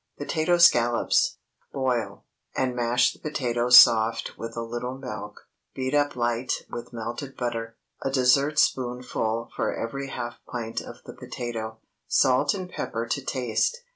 POTATO SCALLOPS. Boil, and mash the potatoes soft with a little milk. Beat up light with melted butter—a dessertspoonful for every half pint of the potato—salt and pepper to taste.